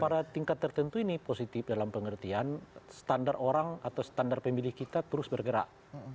pada tingkat tertentu ini positif dalam pengertian standar orang atau standar pemilih kita terus bergerak